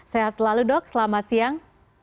sehat selalu dok selamat siang